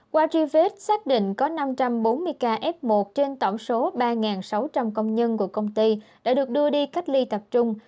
qua truy vết xác định có năm trăm bốn mươi ca f một trên tổng số ba sáu trăm linh công nhân của công ty đã được đưa đi cách ly tập trung